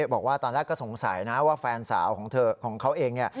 บอกว่าตอนแรกก็สงสัยนะว่าแฟนสาวของเขาเอง